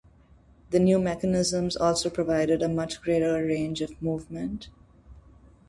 The new mechanisms also provided a much greater range of movement.